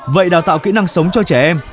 vậy đào tạo kỹ năng sống cho trẻ em